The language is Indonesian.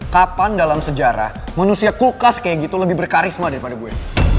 kapan dalam sejarah manusia kulkas kayak gitu lebih berkarisma daripada gue